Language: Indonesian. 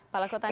pak lakota nek